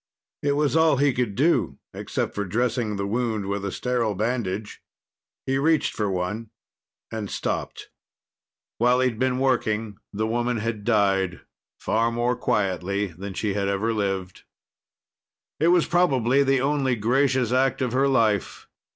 It was all he could do, except for dressing the wound with a sterile bandage. He reached for one, and stopped. While he'd been working, the woman had died, far more quietly than she had ever lived. It was probably the only gracious act of her life.